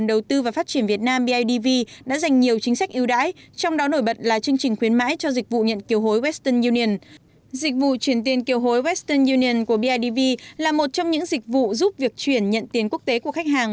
dịch vụ chuyển tiền kiều hối western union của bidv là một trong những dịch vụ giúp việc chuyển nhận tiền quốc tế của khách hàng